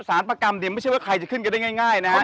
ประกรรมเนี่ยไม่ใช่ว่าใครจะขึ้นกันได้ง่ายนะฮะ